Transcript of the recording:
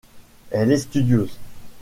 Elle est studieuse.